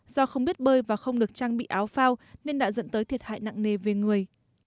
do không biết bơi và không được trang bị áo phao nên đã dẫn tới thiệt hại nặng nề về người